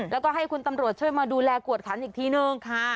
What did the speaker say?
แล้วก็ให้คุณตำรวจช่วยมาดูแลกวดขันอีกทีนึง